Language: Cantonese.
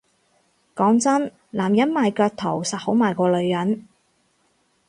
講真男人賣腳圖實好賣過女人